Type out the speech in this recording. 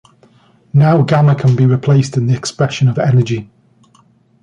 Now, gamma can be replaced in the expression of energy.